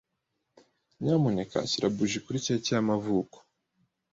Nyamuneka shyira buji kuri keke y'amavuko.